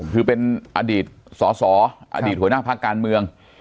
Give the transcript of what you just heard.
คือเป็นอดีตสอสออดีตหัวหน้าพักการเมือง